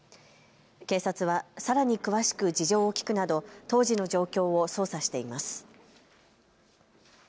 警察はさらに詳しく事情を聞くなど当時の状況を捜査しています。